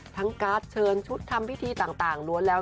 การ์ดเชิญชุดทำพิธีต่างล้วนแล้ว